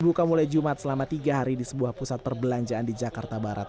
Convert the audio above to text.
buka mulai jumat selama tiga hari di sebuah pusat perbelanjaan di jakarta barat